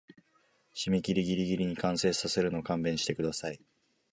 締切ギリギリに完成させるの勘弁してください